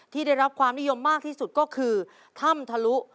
ได้รับความนิยมมากที่สุดก็คือถ้ำทะลุ